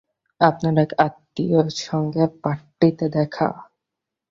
আপনার এক আত্মীয়ের সঙ্গে পার্টিতে দেখা।